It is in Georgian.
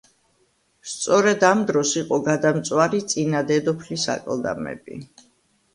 სწორედ ამ დროს იყო გადამწვარი წინა დედოფლის აკლდამები.